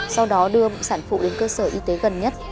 sau đó đưa sản phụ đến cơ sở y tế gần nhất